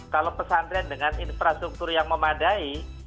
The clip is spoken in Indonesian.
kalau pesantren dengan infrastruktur yang memadai